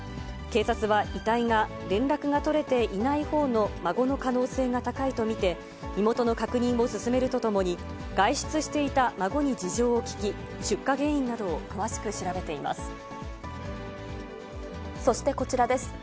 警察は、遺体が連絡が取れていないほうの孫の可能性が高いと見て、身元の確認を進めるとともに、外出していた孫に事情を聴き、出火原因などを詳しく調べていまそしてこちらです。